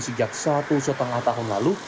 sejak satu setengah tahun lalu